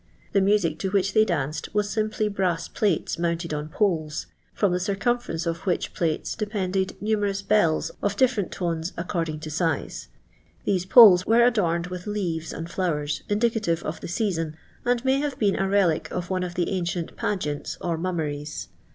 The music to which they danced was simpiy brass plates mounted on poles, from the circumference of Which plates depended numerous bells of different tones, according to size ; these poles were adorned with leaves and flowers, indicative of the season, and may have been a relic of one of the ancient pageants or mummeries.